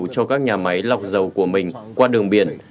cho các nhà máy lọc dầu của mình qua đường biển